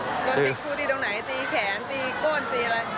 โดนตีครูตีตรงไหนตีแขนตีก้นตีอะไร